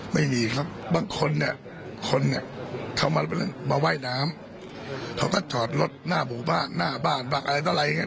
ไม่มีครับบางคนเนี่ยเขามาว่ายน้ำเขาก็ถอดรถหน้าหมู่บ้านหน้าบ้านบังอะไรตลาดอย่างนี้